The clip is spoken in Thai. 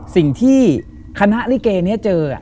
สิ่งที่คณะริเกย์เนี่ยเจอ